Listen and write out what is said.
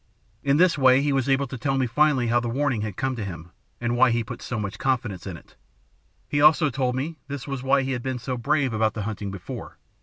In this way he was able to tell me, finally, how the 'warning' had come to him, and why he put so much confidence in it. He also told me this was why he had been so brave about the hunting before.